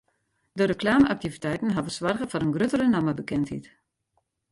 De reklame-aktiviteiten hawwe soarge foar in gruttere nammebekendheid.